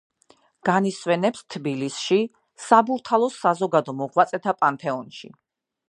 განისვენებს თბილისში, საბურთალოს საზოგადო მოღვაწეთა პანთეონში.